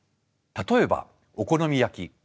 例えばお好み焼き。